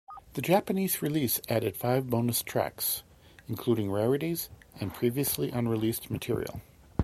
The Japanese release added five bonus tracks, including rarities and previously unreleased material.